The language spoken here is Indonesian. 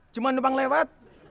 cuma depan lewat